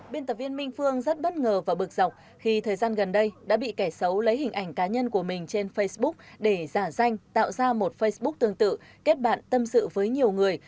biên tập viên minh phương rất bất ngờ và bực dọc khi thời gian gần đây đã bị kẻ xấu lấy hình ảnh cá nhân của mình trên facebook để giả danh tạo ra một facebook tương tự kết bạn tâm sự với nhiều người